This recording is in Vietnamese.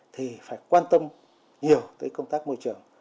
thì phải quan tâm nhiều tới công tác môi trường